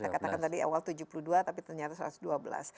saya katakan tadi awal tujuh puluh dua tapi ternyata satu ratus dua belas